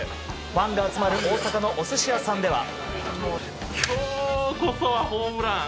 ファンが集まる大阪のお寿司屋さんでは。